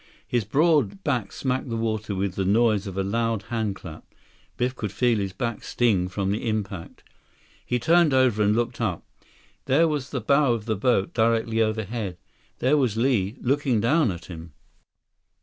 His broad back smacked the water with the noise of a loud handclap. Biff could feel his back sting from the impact. He turned over and looked up. There was the bow of the boat, directly overhead. There was Li, looking down at him.